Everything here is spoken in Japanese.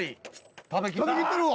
食べきってるわ！